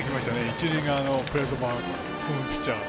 一塁側のプレート板踏むピッチャー。